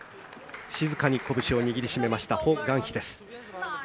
静かにこぶしを握り締めましたホ・グァンヒです。